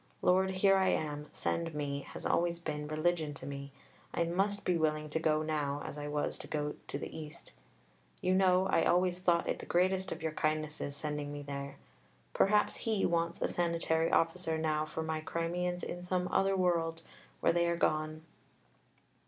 "Lord, here I am, send me" has always been religion to me. I must be willing to go now as I was to go to the East. You know I always thought it the greatest of your kindnesses sending me there. Perhaps He wants a "Sanitary Officer" now for my Crimeans in some other world where they are gone.